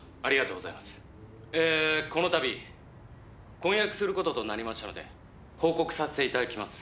「えーこのたび婚約する事となりましたので報告させていただきます。